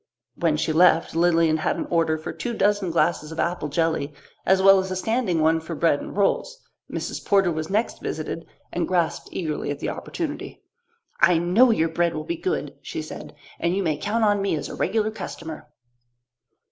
When she left, Lilian had an order for two dozen glasses of apple jelly, as well as a standing one for bread and rolls. Mrs. Porter was next visited and grasped eagerly at the opportunity. "I know your bread will be good," she said, "and you may count on me as a regular customer."